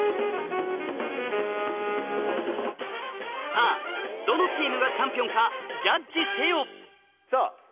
さぁどのチームがチャンピオンかジャッジせよさぁ